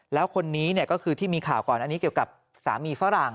แล้วคนนี้ก็คือที่มีข่าวก่อนอันนี้เกี่ยวกับสามีฝรั่ง